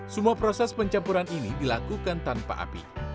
semua proses pencampuran ini dilakukan tanpa api